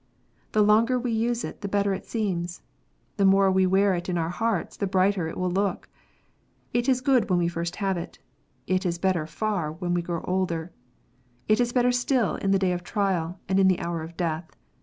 The longer we use it the better it seems. The more we wear it in our hearts the brighter it will look. It is good when we first have it. It is better far when we grow older. It is better still in the day of trial, and the hour of death.